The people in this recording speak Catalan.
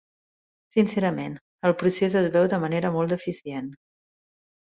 Sincerament, el procés es veu de manera molt deficient.